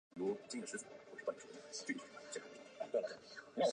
曾是美国航空和美鹰航空的枢杻港。